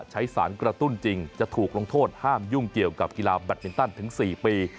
ใช้สารกระตุ้นจริงจะถูกลงโทษห้ามยุ่งเกี่ยวกับกีฬาแบตมินตันถึง๔ปี